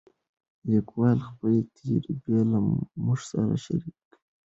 لیکوال خپلې تجربې له موږ سره شریکوي.